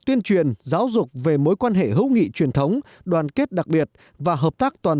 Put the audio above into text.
tuyên truyền giáo dục về mối quan hệ hữu nghị truyền thống đoàn kết đặc biệt và hợp tác toàn